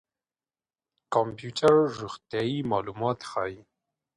کمپيوټر روغتيايي معلومات ښيي.